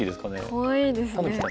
かわいいですね。